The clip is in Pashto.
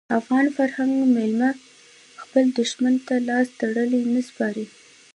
افغان فرهنګ میلمه خپل دښمن ته لاس تړلی نه سپاري.